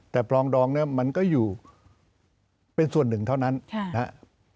แต่ปลองดองเนี่ยมันก็อยู่เป็นส่วนหนึ่งเท่านั้นนะครับ